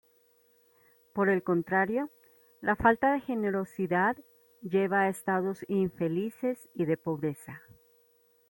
Por el contrario, la falta de generosidad lleva a estados infelices y de pobreza.